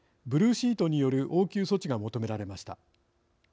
ブルーシートによる応急措置が求められました。